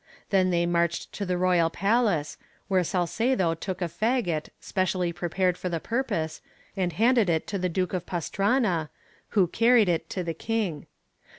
Then they marched to the royal palace, where Salcedo took a fagot, specially prepared for the purpose, and handed it to the Duke of Pastrana, who carried it to the king.